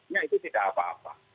ya itu tidak apa apa